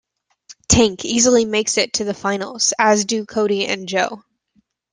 Tank easily makes it to the finals, as do Cody and Joe.